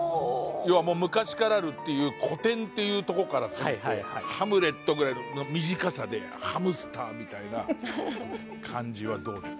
昔からあるっていう古典っていうとこから攻めて「ハムレット」ぐらいの短さでハムスターみたいな感じはどうですか。